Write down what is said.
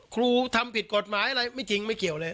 ครูทำผิดกฎหมายอะไรไม่จริงไม่เกี่ยวเลย